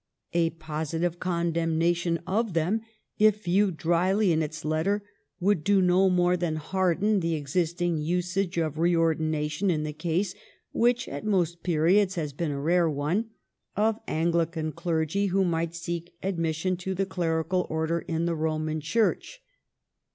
A positive condemnation of them, if viewed dryly in its letter, would do no more than harden the existing usage of reordination in the case, which at most periods has been a rare one, of Anglican clergy who might seek admission to the clerical order in the Roman Church."